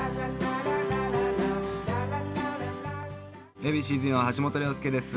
Ａ．Ｂ．Ｃ‐Ｚの橋本良亮です。